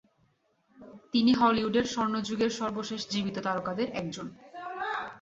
তিনি হলিউডের স্বর্ণযুগের সর্বশেষ জীবিত তারকাদের একজন।